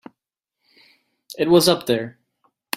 It was up there.